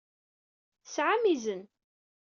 Tesɛam izen.